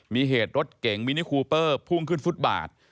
มีเหตุรถเก๋งมินิคูเปอร์พุ่งขึ้นฟุตบาท